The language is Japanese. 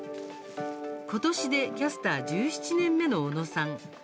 今年で、キャスター１７年目の小野さん。